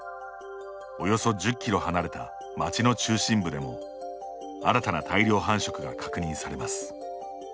およそ１０キロ離れた町の中心部でも新たな大量繁殖が確認されます。